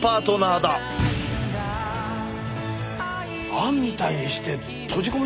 あんみたいにして閉じ込め。